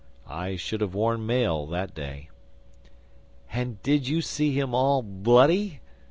I should have worn mail that day.' 'And did you see him all bloody?